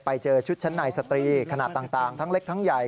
ไปเจอชุดชั้นในสตรีขนาดต่างทั้งเล็กทั้งใหญ่